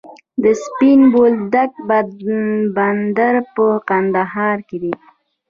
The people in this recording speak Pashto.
د سپین بولدک بندر په کندهار کې دی